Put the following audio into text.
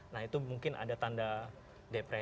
nah itu mungkin ada tanda depresi